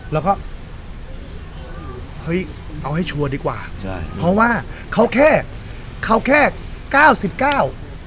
แล้วก็เฮ้ยเอาให้ชัวร์ดีกว่าใช่เพราะว่าเขาแค่เขาแค่เก้าสิบเก้า